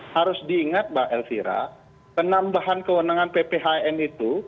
harus diingat mbak elvira penambahan kewenangan pphn itu